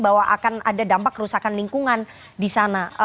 bahwa akan ada dampak kerusakan lingkungan di sana